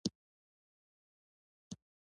دوی به په خپلو بحثونو کې نومول.